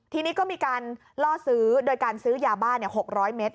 ทีนี้ก็มีการล่อซื้อโดยการซื้อยาบ้า๖๐๐เมตร